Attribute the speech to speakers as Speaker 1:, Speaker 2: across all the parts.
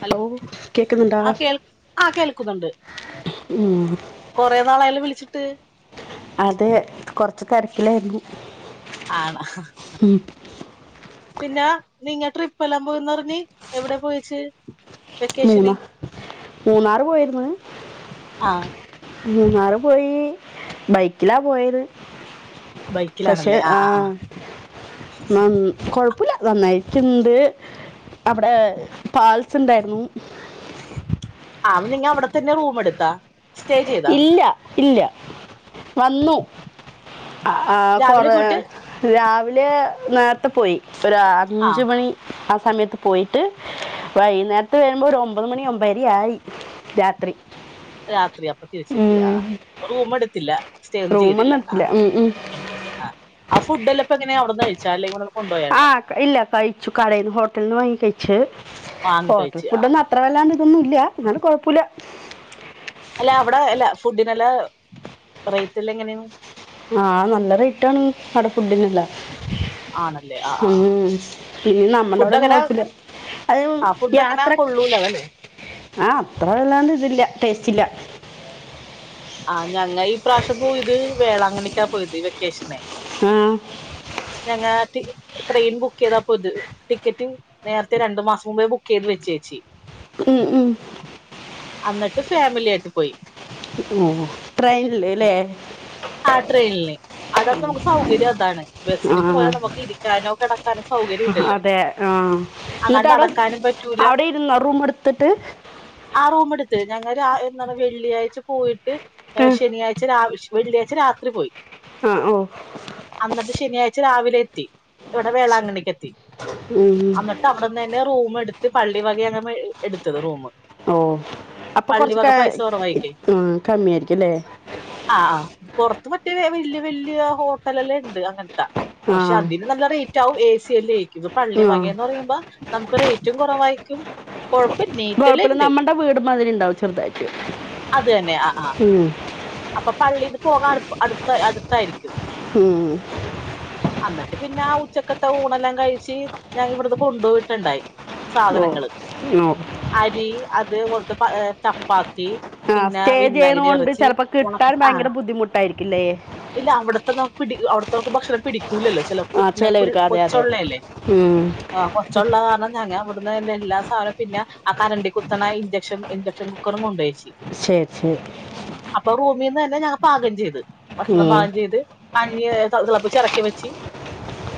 Speaker 1: Hello
Speaker 2: കേൾക്കുന്നുണ്ടോ
Speaker 1: ആഹ് കേൾ കേൾക്കുന്നുണ്ട്
Speaker 2: ഉം
Speaker 1: കൊറെേ നാളായല്ലോ വിളിച്ചിട്ട്
Speaker 2: അത് കൊറച്ചു തിരക്കിലായിരുന്നു
Speaker 1: ആണാ
Speaker 2: ഉം,
Speaker 1: പിന്നെ നിങ്ങ ട്രിപ്പ് എല്ലാം പോയിന്ന് പറഞ്ഞി എവിടെ പോയിച്
Speaker 2: മൂന്നാ മൂന്നാർ പോയിരുന്നു
Speaker 1: ആ
Speaker 2: മൂന്നാറ് പോയി ബൈക്കിലാ പോയത് പക്ഷെ
Speaker 1: ബൈക്കിലാണല്ലേ ആ ആ
Speaker 2: ആഹാ ന കൊഴപ്പില്ല നന്നായിട്ടന്ത് അവിടെ പാൽസ് ഇണ്ടായിരുന്നു
Speaker 1: ആഹ് നിങ്ങ അവിടെ തന്നെ റൂം എടുത്താ സ്റ്റേ ചെയ്താ
Speaker 2: ഇല്ല ഇല്ല വന്നു ആഹ്
Speaker 1: രാവിലെ
Speaker 2: കൊറേ
Speaker 1: പോയിട്ട്
Speaker 2: രാവിലെ നേരത്തെ പോയി ഒരു
Speaker 1: ആ
Speaker 2: അഞ്ചു മണി ആ സമയത്ത് പോയിട്ട് വൈകുന്നേരത്ത് വരുമ്പോ ഒരു ഒമ്പത് മണി ഒമ്പരി ആയി രാത്രി
Speaker 1: രാത്രി അപ്പ തിരിച്ചെത്തിയാ
Speaker 2: ഉം
Speaker 1: റൂമ എടുത്തില്ല സ്റ്റേ ഒന്നും ചെയ്തില്ല
Speaker 2: റൂമൊന്നും എടുത്തില്ല ഉം, ഉം.
Speaker 1: ആ ഫുഡ്ല്ലാം ഇപ്പങ്ങനെവിടെന്ന് കഴിച്ചാ അല്ലെ കൂടെ
Speaker 2: ആഹ് ഇല്ല കഴിച്ചു കടയിൽന്ന് ഹോട്ടലന്ന് വാങ്ങി കഴിച്ചു
Speaker 1: വാങ്ങി
Speaker 2: ഹോട്ടൽ
Speaker 1: കഴിച്ച് ആ
Speaker 2: ഫുഡന്നും അ അത്ര വല്ലാണ്ട് ഇതൊന്നും ഇല്ല എന്നാലും കുഴപ്പുല്ല
Speaker 1: അല്ല അവിടെ അല്ല ഫുഡിനല്ല റേറ്റ്ല്ലാം എങ്ങനെയ
Speaker 2: ആഹ് നല്ല റേറ്റാണ് അടെ ഫുഡിനല്ല
Speaker 1: ആണല്ലേ ആ ആ
Speaker 2: ഉം
Speaker 1: ആ
Speaker 2: ഇന്ന നമ്മുടെ
Speaker 1: ഫുഡ്
Speaker 2: അവിടെന്നും
Speaker 1: എങ്ങനെ
Speaker 2: കൊഴപ്പല്ല അത്
Speaker 1: ആ ഫുഡ് എങ്ങനെ
Speaker 2: യാത്ര
Speaker 1: കൊള്ളൂല അതല്ലേ
Speaker 2: ആഹ് അത്ര വല്ലാണ്ട് ഇതില്ല ടേസ്റ്റ്ല്ല
Speaker 1: ആഹ് ഞങ്ങ ഈ പ്രാവശ്യം പോയത് വേളാങ്കണിക്കാ പോയത് ഈ വെക്കേഷനെ
Speaker 2: ആഹ്
Speaker 1: ഞങ്ങാട്ടി ട്രെയിൻ ബുക്കയ്താപ്പ ഇത് ടിക്കറ്റും നേരത്തെ രണ്ടു മാസം മുമ്പേ ബുക്കയ്ത് വെച്ചേച്ചി
Speaker 2: ഉം ഉം
Speaker 1: അന്നിട്ട് ഫാമിലി ആയിട്ട് പോയി
Speaker 2: ഓഹ് ട്രെയിൻന്ലേ
Speaker 1: ആഹ് ട്രെയിൻല് അതാത് നമുക്ക് സൗകര്യം അതാണ്
Speaker 2: ആ
Speaker 1: ബസ്സിന് പോയാ നമുക്ക് ഇരിക്കാനോ കിടക്കാനോ സൗകര്യം ഇല്ലല്ലോ
Speaker 2: ആഹ്
Speaker 1: അങ്ങനെ
Speaker 2: എന്നിട്ട് അവിടെ
Speaker 1: നടക്കാനും പറ്റൂല
Speaker 2: അവിടെ ഇരുന്ന റൂം എടുത്തിട്ട്
Speaker 1: ആഹ് റൂം എടുത്ത് ഞങ്ങൾ രാ എന്താണ് വെള്ളിയാഴ്ച പോയിട്ട്
Speaker 2: ആ
Speaker 1: ഏഹ് ശനിയാഴ്ച രാവ്ഷ് വെള്ളിയാ ച്ച് രാത്രി പോയി
Speaker 2: ആഹ് ഓഹ്
Speaker 1: അന്നിട്ട് ശനിയാഴ്ച രാവിലെ എത്തി ഇവിടെ വേളാങ്കണ്ണിക്ക് എത്തി
Speaker 2: ഉം.
Speaker 1: അന്നി ട്ട്അവിടെന്നന്നെ റൂം എടുത്ത് പള്ളി വക അങ്ങെ എടുത്തത് റൂമ്
Speaker 2: ഓഹ് അപ്പൊ കൊർച്ചൊക്കെ
Speaker 1: കുറവായിക്കേ
Speaker 2: ഉം കമ്മിയായിരിക്കുല്ലേ
Speaker 1: ആഹ് ആഹ് പുറത്ത് പറ്റിയ വല്യ വല്യ ഹോട്ടലല്ലാം ഇണ്ട് ങ്ങൻതാ
Speaker 2: ആ
Speaker 1: പക്ഷെ അതിന് നല്ല റേറ്റ് ആകും എ സിയ എല്ലേ ഇത് പള്ളി
Speaker 2: ആ
Speaker 1: വകയന്ന് പറയുമ്പോ നമുക്ക് റേറ്റും കുറവായിരിക്കും കുഴപ്പല്ലേ
Speaker 2: കുഴപ്പല്ല നമ്മടെ വീട് മാതിരി ഇണ്ടാവും ചെറുതയിട്ടു
Speaker 1: അത് തന്നെ ആഹ് ആഹ്
Speaker 2: ഉം
Speaker 1: അപ്പൊ പള്ളിൽ പോകാൻ അടുത് അടുത്തായിരിക്കും
Speaker 2: ഉം
Speaker 1: അന്നട്ട് പിന്നെ ആ ഉച്ചക്കത്തെ ഊണെല്ലാം കഴിച്ച് ഞാൻ ഇവിടന്ന് കൊണ്ടോയിട്ടുണ്ടായി
Speaker 2: ഓ
Speaker 1: സാധനങ്ങള്
Speaker 2: ഓ
Speaker 1: അരി അതേപോൽത്തെ ചപ്പാ
Speaker 2: ആഹ് സ്റ്റേ ചെയ്യണോണ്ട് ചെലപ്പോ കിട്ടാൻ
Speaker 1: ഉണക്ക ആ
Speaker 2: ഭയങ്കര ബുദ്ധിമുട്ടായിരിക്കില്ലേ
Speaker 1: ഇല്ല അവിടുത്തെന്നോ പിടി അവിടുത്തെ നമുക്ക്ഭക്ഷണം പിടി കൂലല്ലോ ചെലോ
Speaker 2: ആ
Speaker 1: പിന്ന
Speaker 2: ചിലവർക്ക് അതെ അതെ
Speaker 1: കൊച്ചൊള്ളേല്ലേ
Speaker 2: ഉം,
Speaker 1: ആ കൊച്ചള്ള കാര്ണം [unintelligible] ടുന്നേന്റെ എല്ലാ സാധനം പിന്നെ ആ കരണ്ടി കുത്തണ ഇൻചക്ഷൻ ഇൻചക്ഷൻ കുക്കറും കൊണ്ടോയിച്ചി
Speaker 2: ശരി ശരി
Speaker 1: അപ്പൊ റൂമീന്നെന്നെ ഞങ്ങ പാകം ചെയ്ത് ഭക്ഷണം
Speaker 2: ഉം.
Speaker 1: പാകം ചെയ്ത് കഞ്ഞി തിളപ്പിചിറക്കി വെച്ച്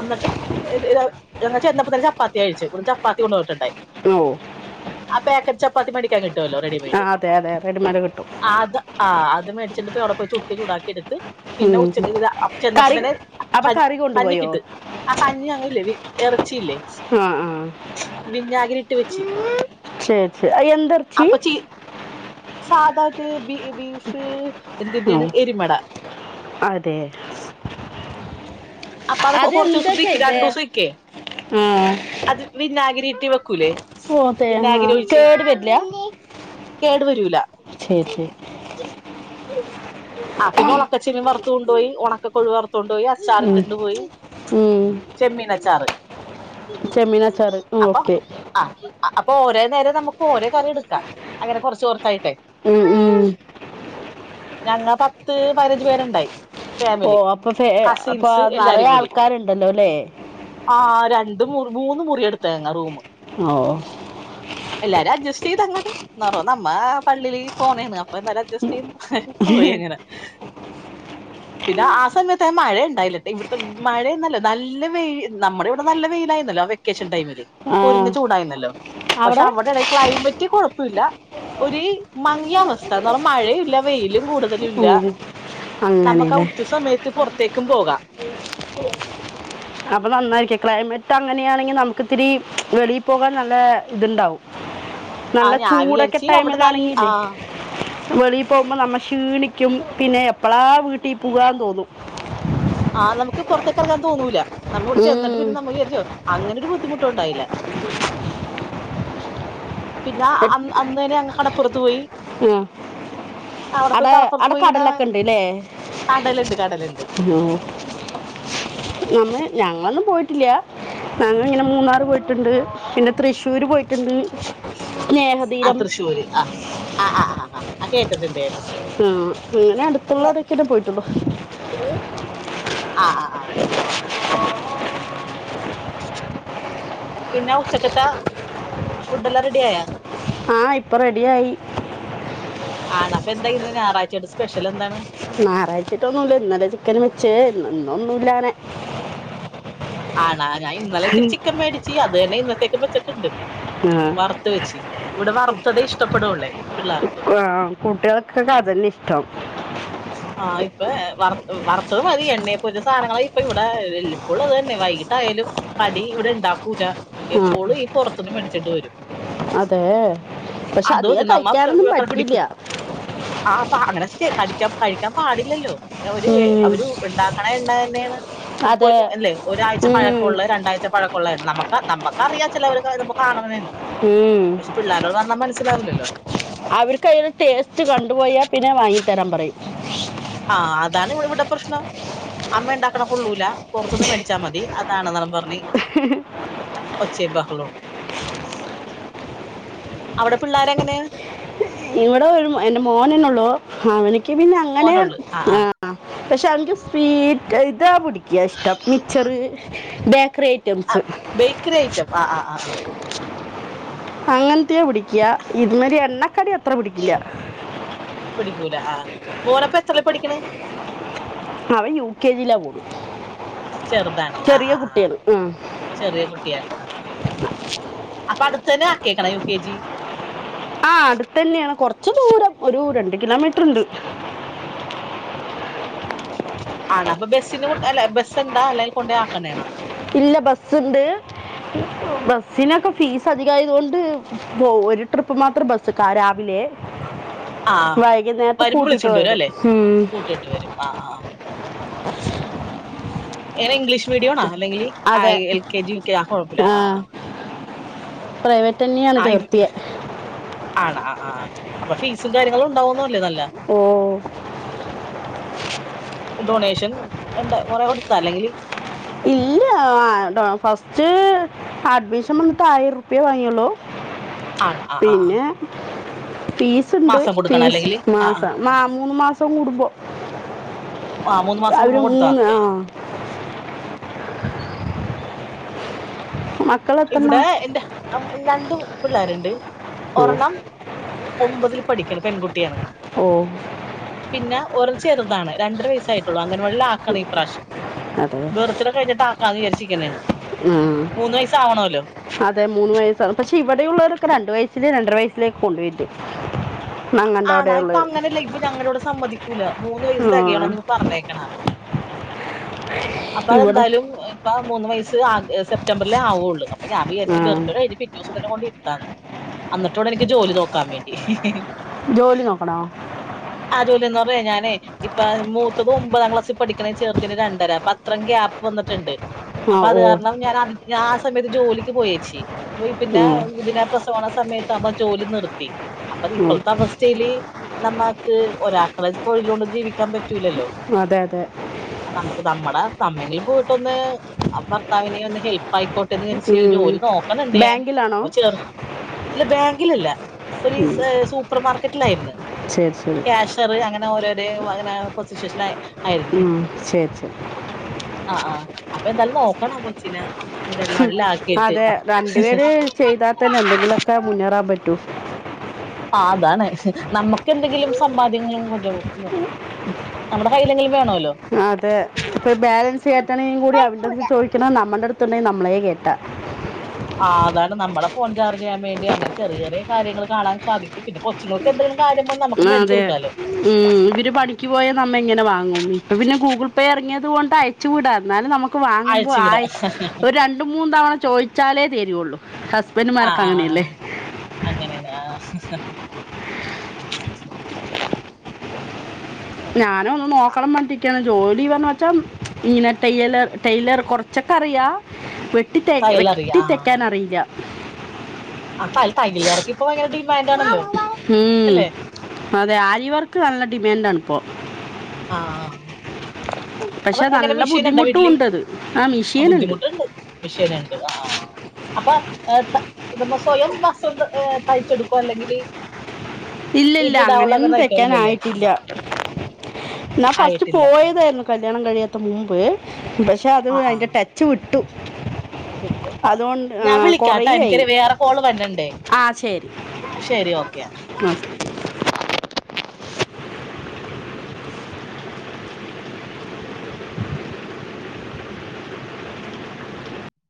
Speaker 1: അന്നട്ട് [unintelligible] ചെന്നപ്പോ തന്നെ ചപ്പാത്തി കഴിച്ചു ഇവിടന്ന്ചപ്പാത്തി കൊണ്ടോന്നിട്ടുണ്ടായി
Speaker 2: [unintelligible]
Speaker 1: ആ പേക്കറ്റ് ചപ്പാത്തി മേടിക്കാ കിട്ടുമല്ലോ റെഡി
Speaker 2: ആ
Speaker 1: മെയ്ഡ്
Speaker 2: അതെ അതെ റെഡിമേഡ് കിട്ടും
Speaker 1: ആ അത് മേടിച്ചിട്ട് അവിടെ പോയി ചുട്ട് ചൂടാക്കി എടുത്ത് പിന്നെ
Speaker 2: ഉം.
Speaker 1: ഉച്ചക്ക് [unintelligible] ചെന്നപ്പോ അപ്പം
Speaker 2: കറി
Speaker 1: തന്നെ
Speaker 2: അപ്പൊ കറി കൊണ്ടുപോയോ
Speaker 1: കഞ്ഞിക്കിട്ട് ആ കഞ്ഞി അങ്ങ് ഇല്ലേ ഇറച്ചിയില്ലേ
Speaker 2: ആ ആ
Speaker 1: വിനാഗിരി ഇട്ട് വെച്ച്
Speaker 2: ശരി ശരി അ എന്ത് ഇർച്ചി
Speaker 1: സാധാരണ ബി ബീഫ്
Speaker 2: ഓ
Speaker 1: എന്തിന്റെയാണ് എരിമയുടെ
Speaker 2: അതെ
Speaker 1: അപ്പ അത് കൊറച്ച്
Speaker 2: അതെന്താ
Speaker 1: ദിവസം നിക്കും
Speaker 2: ചെയ്തേ
Speaker 1: രണ്ടു ദിവസം നിക്കേ
Speaker 2: ആ
Speaker 1: അത് വിന്നാഗിരി ഇട്ട് വെക്കൂലേ
Speaker 2: ഓ തേങ്ങ
Speaker 1: വിന്നാഗിരി ഒഴിച്ച്
Speaker 2: കേട് വരില്ല
Speaker 1: കേടു വരൂല
Speaker 2: ശരി ശരി
Speaker 1: അ പിന്നെ ഉണക്കച്ചെമ്മീൻ വറുത്ത് കൊണ്ടോയി ഉണക്കക്കൊഴു വറുത്ത് കൊണ്ടോയി അച്ചാ
Speaker 2: ഉം,
Speaker 1: ഇട്ടിണ്ട് പോയി,
Speaker 2: ഉം.
Speaker 1: ചെമ്മീനച്ചാറ്
Speaker 2: ചെമ്മീനച്ചാറ്
Speaker 1: അപ്പൊ
Speaker 2: ഓക്കെ
Speaker 1: ആ അപ്പൊ ഒരോ നേരം നമുക്ക് ഓരോ കറി എടുക്കാ അങ്ങനെ കൊർച്ച് കെർച്ചായിട്ടേ
Speaker 2: ഉം ഉം
Speaker 1: ഞങ്ങ പത്ത് പതിനഞ്ച് പേരുണ്ടായി
Speaker 2: ഓ
Speaker 1: ഫാമിലി
Speaker 2: അപ്പൊ ഫേ അപ്പൊ
Speaker 1: കസിൻസ്
Speaker 2: നറയെ ആൾക്കാരുണ്ടല്ലോ ല്ലേ
Speaker 1: അ ആ രണ്ട് മുറി മൂന്ന് മുറി എടുത്തായിരുന്നു ആ റൂമ്
Speaker 2: ഓഹ്
Speaker 1: എല്ലാരും അഡ്ജസ്റ്റ് ചെയ്തങ്ങട്ട് നറ നന്നാ പള്ളിയി പോണേണ് പല അഡ്ജസ്റ്റ് ചെയ്ത് പോയി അങ്ങനെ. പിന്നെ ആ സമയത്ത് അങ്ങനെ മഴ ഇണ്ടായില്ല ഇവിട്ത്തെ മഴയെന്നല്ലാ നല്ല വെയിൽ നമ്മളിവിടെ നല്ല വെയിലായിരുന്നല്ലോ വെക്കേഷൻ ടൈമില്.
Speaker 2: ആ
Speaker 1: പൊരിഞ്ഞ ചൂടായിരുന്നല്ലോ പക്ഷെ
Speaker 2: അവിടെ
Speaker 1: അവടടെ ക്ലൈമറ്റ് കെഴപ്പുല്ല. ഒര് മങ്ങിയവസ്ഥ കാരണം മഴഇല്ല വെയിലും കൂടു ടുതലില്ല
Speaker 2: ഉം.
Speaker 1: നമ്മക്ക് ആ
Speaker 2: അങ്ങനെയല്ലേ
Speaker 1: ഉച്ച സമയത്ത് പുറത്തേക്കും പോകാം
Speaker 2: അപ്പൊ, നന്നായിരിക്കും ക്ലൈമറ്റ് അങ്ങനെയാണെങ്കിൽ നമുക്ക് ഇത്തിരി വെളിയിൽ പോകാൻ നല്ല ഇത്ണ്ടാവും
Speaker 1: ആ
Speaker 2: നല്ല
Speaker 1: ഞാൻ
Speaker 2: ചൂടൊക്കെ
Speaker 1: വിചാരിച്ച് അവിടെ നല്ല ആ
Speaker 2: ടൈമിലാണെങ്കില്ലേ വെളിയിൽ പോകുമ്പോ നമ്മ ക്ഷീണിക്കും പിന്നെ എപ്പളാ വീട്ടീ പോവാന്ന് തോന്നും
Speaker 1: ആഹ് നമ്മക്ക് പുറത്തേക്കിറങ്ങാൻ തോന്നൂല നമ്മവിടെ ചെന്നിട്ട്
Speaker 2: ഉം.
Speaker 1: ന്നമ്മ വിജാരിച്ചോ അങ്ങനൊരു ബുദ്ധിമുട്ട് ഉണ്ടായില്ല പിന്നേ ആ അന് അന്നേരം അങ്ങ് കടപ്പുറത്ത് പോയി.
Speaker 2: ഉം
Speaker 1: അവിടെ പോയി
Speaker 2: അടെ അട
Speaker 1: കടപ്പുറത്ത് പോയി ഇങ്ങനെ
Speaker 2: കടലൊക്കെ ഇണ്ട് ല്ലേ.
Speaker 1: കടലുണ്ട് കടലുണ്ട്
Speaker 2: നമ്മ് ഞങ്ങളൊന്നും പോയിട്ടില്ല്യ ഞങ്ങള് ഇങ്ങനെ മൂന്നാർ പോയിട്ട്ണ്ട്. പിന്നെ തൃശ്ശൂര് പോയിട്ടുണ്ട് നേഹ
Speaker 1: അ തൃശൂര് അ ആ ആ ആ കേട്ടിട്ട്ണ്ട് ഞാന്
Speaker 2: ഉം, അങ്ങനെ അടുത്തുള്ളോടെക്കെന്നെ പോയിട്ടെള്ളൂ
Speaker 1: ആ അ ആഹ് പിന്നെ ഉച്ചക്കെത്താ ഫുഡ്ഡെല്ലാം റെഡിയായോ
Speaker 2: ആഹ് ഇപ്പം റെഡിയായി.
Speaker 1: ആണ്ടോ അപ്പ എന്താ ഇന്ന് ഞാറാഴ്ച്ചയിലെ സ്പെഷ്യൽ എന്താണ്
Speaker 2: ഞാറാഴ്ച്ചായിട്ടൊന്നും ഇല്ല ഇന്നലെ ചിക്കൻ വെച്ച് ഇന്നൊന്നും ഇല്ല അങ്ങെനെ
Speaker 1: ആണോ ഞാൻ ഇന്നലെ ഇത്തിരി ചിക്കൻ മേടിച്ച് അത് തന്നെ ഇന്നത്തേക്ക് വെച്ചിട്ടുണ്ട്.
Speaker 2: ആ,
Speaker 1: വർത്ത് വെച്ച് ഇവിടെ വർത്തതെ ഇഷ്ടപ്പെടുള്ളെ, പിള്ളേർക്ക്.
Speaker 2: ആ, കുട്ടികൾക്കൊക്കെ അതെന്നെ ഇഷ്ടം.
Speaker 1: ആഹ്, ഇപ്പ വറുത്തത് മതി. എണ്ണെ പോരിച്ച സാധനങ്ങളാ ഇപ്പ ഇവിടെ എല് ഇപ്പളും അതെന്നെ വൈകിട്ടായയാലും കടി ഇവിടെണ്ടാക്കൂല. എപ്പോളും ഈ പെർത്ത്ന്ന് മേടിച്ചേണ്ട് വരും.
Speaker 2: അതേ പക്ഷെ
Speaker 1: അത്
Speaker 2: അധികം കഴിക്കാനൊന്നും പറ്റില്ല്യ
Speaker 1: ആഹ് പ്പാ അങ്ങന ശ്ശെ കടിക്കാൻ കഴിക്കാൻ പാടില്ലല്ലോ. അ ഒര്
Speaker 2: ഉം,
Speaker 1: അവരു ണ്ടാക്ക്ണ എണ്ണ തെന്നെണ്
Speaker 2: അതെ
Speaker 1: പൊര് അല്ലെ ഒരാഴ്ച
Speaker 2: ഉം,
Speaker 1: പഴക്കുള്ള രണ്ടാഴ്ച പഴ ക്കുള്ള എണ്ണ നമ്മക്കാ നമ്മക്കറിയാ ചിലവരൊക്ക ഇത്പ്പ കാണുലേന്ന്.
Speaker 2: ഊ ഉം
Speaker 1: പിള്ളാരോട്‌ പർഞാ മനസ്സിലാവുലല്ലോ.
Speaker 2: അവർക്കയിന് ടേസ്റ്റ് കണ്ടുപോയാ പിന്നെ വാങ്ങിത്തെരാൻ പറയും.
Speaker 1: ആഹ് അതാണ് ഇവള് ഇവിടെ പ്രശ്നം. അമ്മ ഉണ്ടാക്ക്ണ കൊള്ളൂല പൊർത്ത്ന്ന് മേടിച്ചാ മതി അതാണ്ന്നാ അവൻ പറഞ്ഞ്. ഒച്ചേം ബഹളോണ്. അവിടെ പിള്ളാരെങ്ങനയാ?
Speaker 2: ഇവിടെ ഒരു എന്റെ മോനന്നെള്ളൂ. അവനിക്ക് പിന്നെ അങ്ങനെ
Speaker 1: മോനുള്ളു ആ ആ
Speaker 2: ആഹ് പക്ഷെ അവൻക്ക്. സ്വീറ്റ് ഇതാ പുടിക്കാ ഇഷ്ടം. മിച്ചെറ് ബേക്കറി ഐറ്റംസ്.
Speaker 1: ക്രി അയിറ്റം ആഹ് ആഹ് ആഹ്.
Speaker 2: അങ്ങനത്തെയാ പിടിക്ക ഇതിമ്മല്എണ്ണക്കടി അത്ര പിടിക്കില്ല.
Speaker 1: പിടിക്കൂല ആഹ് മോനപ്പോ എത്രെലാ പഠിക്കിണ?
Speaker 2: അവൻ യു കെ ജിയിലാ പോണ്.
Speaker 1: ചെറുതാണ് ആ
Speaker 2: ചെറിയ
Speaker 1: ആ ആ
Speaker 2: കുട്ടിയാണ്. ആഹ്
Speaker 1: ചെറിയ കുട്ടിയ. അപ്പൊ അടുത്തെന്നെ ആക്കിയെക്കണോ യു കെ ജി?
Speaker 2: ആഹ് അടുത്തന്നെയാണ് കൊർച്ച് ദൂരം ഒരു രണ്ട് കിലോമീറ്റ്ർ ണ്ട്.
Speaker 1: ആണൊ അപ്പൊ ബെസ്സിനു അല്ല ബെസെന്താ അല്ലേൽ കൊണ്ടയാക്കന്നാണോ?
Speaker 2: ഇല്ല ബസ്സ്ണ്ട് ബസ്സിനൊക്കെ ഫീസധികായതൊണ്ട് പോ ഒരു ട്രിപ്പ് മാത്രം ബസ്കാ രാവിലെ.
Speaker 1: ആ
Speaker 2: വൈകുന്നേരത്ത്
Speaker 1: വരുമ്പോ
Speaker 2: കൂട്ടിട്ട് വരും ഹും
Speaker 1: ആഹ് ആഹ് എങ്ങന ഇംഗ്ലീഷ് മീഡിയൊ ണൊ അല്ലെങ്കില്
Speaker 2: അതെ
Speaker 1: ആഹ് L K G U K ആഹ് കൊഴപ്പല്ല ആ ആഹ്
Speaker 2: പ്രൈവറ്റ് തന്നെയാണ്
Speaker 1: ആയിം
Speaker 2: ചേർത്തിയെ
Speaker 1: ആണൊ അ ആഹ് അപ്പൊ ഫീസും കാര്യങ്ങളും ഉണ്ടാവന്ന അല്ലേ നല്ല
Speaker 2: ഓ
Speaker 1: ഡൊണേഷൻ ഉണ്ട് കൊറെ കൊടുത്താ അല്ലെങ്കില്
Speaker 2: ഇല്ലാ ആഹ് ഡൊ ഫസ്റ്റ് അഡ്മിഷൻ വന്നിട്ട് ആയിരുറുപ്യെ വാങ്ങിയൊള്ളു.
Speaker 1: ആണ് ആ ആ ആ
Speaker 2: പിന്നെ ഫീസ്ണ്ട്
Speaker 1: മാസം കൊടുക്കണം
Speaker 2: ഫീസ്
Speaker 1: അല്ലെങ്കിൽ ആ ആ
Speaker 2: മാസം മാ മൂന്ന് മാസം കൂടുമ്പോ
Speaker 1: ആ മൂന്ന് മാസം
Speaker 2: അവര്
Speaker 1: കൂടുമ്പോ കൊടുത്താൽ
Speaker 2: മൂന്ന്
Speaker 1: മതി ആ
Speaker 2: ആഹ് മക്കൾ എത്തണ
Speaker 1: ഇവിടെ എന്റെ അം രണ്ടു പിള്ളേരുണ്ട്.
Speaker 2: ഓ
Speaker 1: ഒരെണ്ണം ഒമ്പതിൽ പഠിക്ക്ണ് പെൺകുട്ടിയാണ്.
Speaker 2: ഓഹ്
Speaker 1: പിന്നെ ഒരൾ ചെറുതാണ് രണ്ടര വയസ്സായി ട്ടുള്ളു. അംഗനവാടിലാക്കണ ഈ പ്രാവശ്യം.
Speaker 2: അതെ
Speaker 1: ബെർത്ത്ഡെ കയ്ഞ്ഞിട്ടാക്കാന്ന് വിചാരിച്ച് രിക്കന്.
Speaker 2: ആഹ് അതെ മൂന്ന് വയസ്സാണ് പക്ഷെ ഇവിടെയുള്ളോരൊക്കെ രണ്ടു വയസ്സിലേ രണ്ടര വയസ്സിലേ കൊണ്ട് പോയിട്ട്
Speaker 1: ആണാ ഇപ്പൊ അങ്ങനെ ല്ല ഇപ്പ ഞങ്ങളവിടെ സമ്മതിക്കൂല മൂന്ന് വയസ്സ്
Speaker 2: ആ
Speaker 1: തെകയാണോന്ന് പറഞ്ഞേക്കണ
Speaker 2: ഇവിടെ
Speaker 1: അപ്പതെന്തായാലും ഇപ്പ മൂന്ന് വയസ്സ് ആ സെപ്റ്റംബറിലേ ആവുള്ളൂ പ്പം ഞാൻ
Speaker 2: ആ
Speaker 1: വിചാരിച്ചു ബർത്ത്ഡേ കയിഞ്ഞ് പിറ്റേ ദിവസം ത ന്നെ കൊണ്ടിര്ത്താന്ന് അന്നിട്ട് വേണം എനിക്ക് ജോലി നോക്കാൻ വേണ്ടി.
Speaker 2: ജോലി നോക്കണോ?
Speaker 1: ആഹ് ജോലി എന്ന് പറഞ്ഞയി ഞാനേ ഇപ്പാ മൂത്തത് ഒമ്പതാം ക്ലാസ്സിൽ പഠിക്ക്ണേ ചെറ്തിന് രണ്ടര അപ്പൊ അത്രേം ഗ്യാപ്പ് വന്ന്ട്ട്ണ്ട്
Speaker 2: ആ
Speaker 1: അപ്പൊ അത്
Speaker 2: ഓ
Speaker 1: കാരണം ഞാൻ ആ ഞാൻ ആ സമയത്ത് ജോലിക്ക് പോയേച്ചീ പിന്നെ
Speaker 2: ഉം,
Speaker 1: ഇതിനെ പ്രസവാണ സമയത്ത് ആവ്മ്പോ ജോലി നിർത്തി അപ്പ
Speaker 2: ഉം.
Speaker 1: ഇപ്പോഴത്തെ അവസ് സ്ഥേല് നമ്മക്ക് ഒരാക്കളെ തൊഴിലോണ്ട് ജീവിക്കാൻ പറ്റൂലല്ലോ
Speaker 2: അതെ അതെ
Speaker 1: നമുക്ക് നമ്മടെ നമ്മെങ്കിലും പോയിട്ടൊന്ന് ഭർത്താവിന് ഒന്ന് ഹെൽ പ്പായിക്കോട്ടെ എന്ന് വിചാരിച്ച്
Speaker 2: ഉം.
Speaker 1: ജോലി നോക്ക്ന്ന്ണ്ട് ഞാൻ
Speaker 2: ബാങ്കിലാണോ
Speaker 1: ഇപ്പോ ചെറ് ഇല്ല ബാങ്കിലല്ല ഒര്
Speaker 2: ഉം,
Speaker 1: സ് സൂപ്പർ മാർക്കറ്റിലായിര്ന്ന്.
Speaker 2: ശരി ശെരി
Speaker 1: ചെറിയ അങ്ങനെ ഓരോരോ ഇങ്ങനെ പൊസിഷഷ്ലായി
Speaker 2: ഉം ശരി ശരി
Speaker 1: ആഹ് ആഹ് അപ്പൊ എന്തായാലും നോക്കണം കൊച്ചിനെ അങ്കലവാടീല് ആക്കീട്ട്
Speaker 2: ചെയ്താതന്നെ എന്തെങ്കിലൊക്കെ മുന്നേറാൻ പറ്റൂ
Speaker 1: ആഹ് അതാണ് നമ്മുക്കെന്തെങ്കിലും സമ്പാദ്യങ്ങളും ഒരു നമ്മളെ കൈല്ലെങ്കിലും വേണോലോ
Speaker 2: അതെ ഇപ്പൊ ബാലൻസ് കേറ്റണേലും കൂടി അവരെട്ത്ത് ചോയിക്കണം നമ്മടെട് ത്ത്ണ്ടെങ്കി നമ്മളെ കേറ്റാ
Speaker 1: ആഹ് അതാണ് നമ്മളെ ഫോൺ ചാർജ് ചെയ്യാൻ വേണ്ടി അങ്ങനെ ചെിയ ചെറിയ കാര്യങ്ങള് കാണാൻ സാധിക്കും പിന്നെ കൊ ച്ചുങ്ങൾക്ക് എന്തേലും കാര്യണ്ടെങ്കി നമുക്ക് മേടിച്ച് കൊട്ക്കാലോ
Speaker 2: ണിക്ക് പോയാൽ നമ്മ എങ്ങനെ വാങ്ങും ഇപ്പ പിന്നെ ഗൂഗിൾ പേ ഇറങ്ങിയത് കൊണ്ട് അയച്ച് വ്ടാ എന്നാലും നമു ക്ക് വാങ്ങുമ്പോ
Speaker 1: ആഴ്ചയുടെ
Speaker 2: ആയി ഒരു രണ്ട് മൂന്ന് തവണ ചോയിച്ചാലേ തെരൊള്ളൂ ഹസ്ബൻഡുമാരൊക്കെ അങ്ങനെയല്ലേ
Speaker 1: അങ്ങന്യാണ് ആഹ്
Speaker 2: ഞാനും ഒന്ന് നോക്കണം മാണ്ടിക്കാണ് ജോലി പറഞ്ഞ വെച്ചാ ഇങ്ങനെ ടെയിലർ ടെയിലർ കൊറച്ചൊക്കെ അറിയാ വെട്ടി തെ വെട്ടി
Speaker 1: തയ്യലറിയാം
Speaker 2: തയിക്കാനറിയില്ല
Speaker 1: ആഹ് ടൈ ടൈലർക്ക് ഇപ്പ ഭയങ്കര ഡിമാൻഡാണല്ലോ
Speaker 2: ഉം അതെ ആരിവർക്ക് നല്ല ഡിമാൻഡാണ് ഇപ്പോ
Speaker 1: ആഹ് അപ്പ
Speaker 2: പക്ഷെ
Speaker 1: എങ്ങനെ
Speaker 2: നല്ല
Speaker 1: മെഷീന്ണ്ടോ
Speaker 2: ബുദ്ധിമുട്ടും
Speaker 1: വീട്ടില്
Speaker 2: ഉണ്ട് അത് ആ
Speaker 1: ആഹ്
Speaker 2: മെഷീൻ ഉണ്ട്
Speaker 1: ബുദ്ധിമുട്ടുണ്ട് മെഷീന്ണ്ട് ആഹ് അപ്പൊ ത സ്വയം വസ്ത്രം തയ്ച്ചെട്ക്കോ അല്ലെങ്കിൽ
Speaker 2: ഇല്ലല്ല
Speaker 1: വീട്ടിലിടാവുള്ള അങ്ങനെ
Speaker 2: അങ്ങനെയൊന്നും
Speaker 1: തയ്ക്കോ
Speaker 2: തയ്ക്കാൻ
Speaker 1: ഇല്ലല്ലേ
Speaker 2: ആയിട്ടില്ല ഞാൻ ഫസ്റ്റ്
Speaker 1: ആയിട്ടില്ല
Speaker 2: പോയതായിരുന്നു കല്യാണം കഴിയാത്ത മുമ്പ് പക്ഷെ അത്
Speaker 1: ആ ആ
Speaker 2: അയിന്റെ ടെച്ച് വിട്ടു
Speaker 1: വിട്ട് ആഹ്
Speaker 2: അതുകൊണ്ട്
Speaker 1: ഞാൻ
Speaker 2: കുറേ
Speaker 1: വിളിക്കാട്ടോ
Speaker 2: ആയി
Speaker 1: എനിക്കൊരു വേറെ കോള് വര്ന്ന്ണ്ടേ
Speaker 2: ആ ശരി
Speaker 1: ശെരി ഓക്കെന്നാ
Speaker 2: [unintelligible]